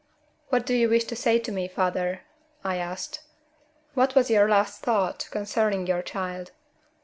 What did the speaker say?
"What do you wish to say to me, father?" I asked. "What was your last thought concerning your child?"